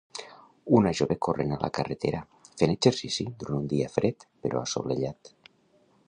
Una jove corrent a la carretera, fent exercici durant un dia fred però assolellat